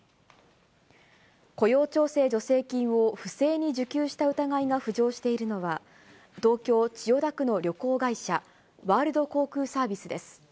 雇用調整助成金を不正に受給した疑いが浮上しているのは、東京・千代田区の旅行会社、ワールド航空サービスです。